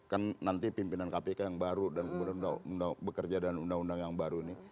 kan nanti pimpinan kpk yang baru dan kemudian bekerja dengan undang undang yang baru ini